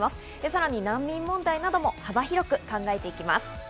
さらに難民問題なども幅広く考えていきます。